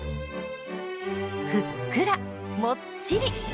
ふっくらもっちり！